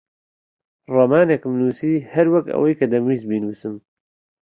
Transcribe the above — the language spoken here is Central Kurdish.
ڕۆمانێکم نووسی هەر وەک ئەوەی دەمویست بینووسم.